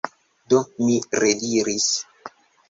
Do mi rediris